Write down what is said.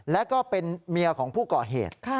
แล้วก็เป็นเมียของผู้ก่อเหตุ